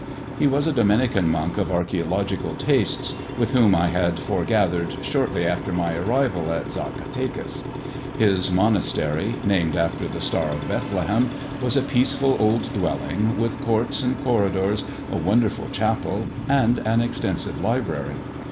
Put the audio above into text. He was a Dominican monk of archaeological tastes, with whom I had forgathered shortly after my arrival at Zacatecas. His monastery — named after the star of Bethlehem — was a peaceful old dwelling, with courts and corridors, a wonderful chapel, and an extensive library.